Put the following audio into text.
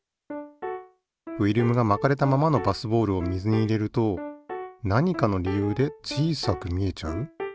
フィルムが巻かれたままのバスボールを水に入れると何かの理由で小さく見えちゃう？